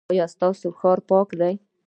ایا ستاسو ښار پاک دی؟